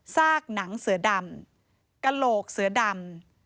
กหนังเสือดำกระโหลกเสือดำ